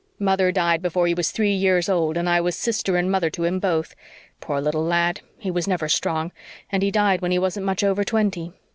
Mother died before he was three years old and I was sister and mother to him both. Poor little lad, he was never strong, and he died when he wasn't much over twenty.